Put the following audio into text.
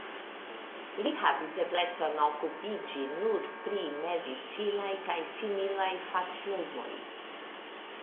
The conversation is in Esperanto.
Li havis eblecon okupiĝi nur pri medicinaj kaj similaj fakfilmoj.